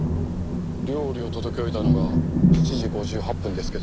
料理を届け終えたのが７時５８分ですけど。